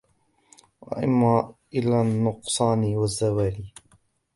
وَإِمَّا إلَى النُّقْصَانِ وَالزَّوَالِ